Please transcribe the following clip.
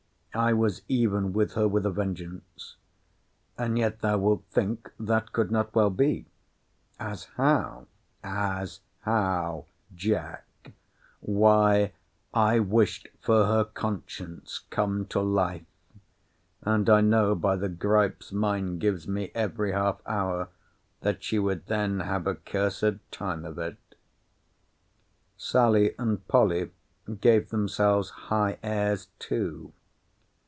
I was even with her with a vengeance. And yet thou wilt think that could not well be.—As how?—As how, Jack!—Why, I wished for her conscience come to life! And I know, by the gripes mine gives me every half hour, that she would then have a cursed time of it. Sally and Polly gave themselves high airs too.